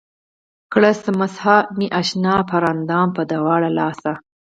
کړه مسحه مې اشنا پۀ هر اندام پۀ دواړه لاسه